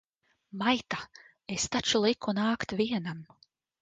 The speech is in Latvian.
Maita! Es taču liku nākt vienam!